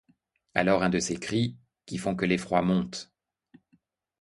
Alors un de ces cris, qui font que l'effroi monte